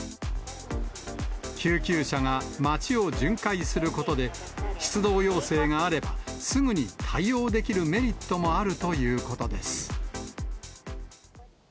救急車が街を巡回することで、出動要請があればすぐに対応できるメリットもあるということです。